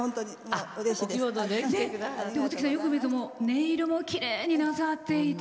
大月さん、よく見るとネイルもきれいになさってて。